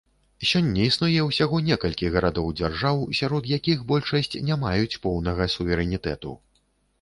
Сёння існуе ўсяго некалькі гарадоў-дзяржаў, сярод якіх большасць не маюць поўнага суверэнітэту.